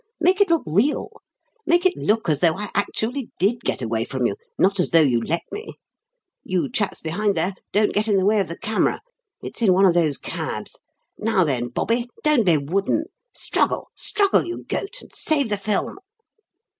Make it look real; make it look as though I actually did get away from you, not as though you let me. You chaps behind there, don't get in the way of the camera it's in one of those cabs. Now, then, Bobby, don't be wooden! Struggle struggle, you goat, and save the film!"